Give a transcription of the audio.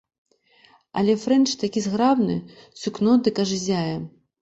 Але фрэнч такі зграбны, сукно дык аж ззяе.